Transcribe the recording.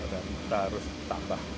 dan kita harus tabah